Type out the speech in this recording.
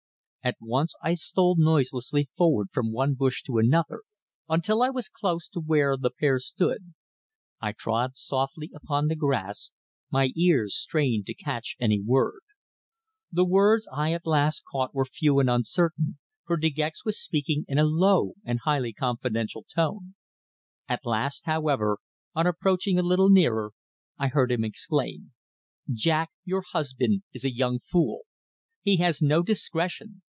At once I stole noiselessly forward from one bush to another until I was close to where the pair stood. I trod softly upon the grass, my ears strained to catch any word. The words I at last caught were few and uncertain, for De Gex was speaking in a low and highly confidential tone. At last, however, on approaching a little nearer, I heard him exclaim: "Jack, your husband, is a young fool! He has no discretion.